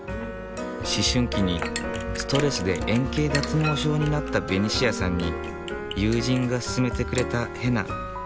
思春期にストレスで円形脱毛症になったベニシアさんに友人がすすめてくれたヘナ。